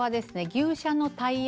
牛車のタイヤ。